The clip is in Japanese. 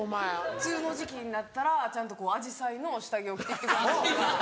梅雨の時期になったらちゃんとこうアジサイの下着を着て来てくれたりとか。